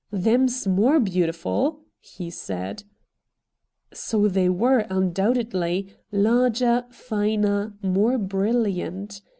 ' Them's more beautiful,' he said. So they were, undoubtedly ; larger, finer, more brilliant.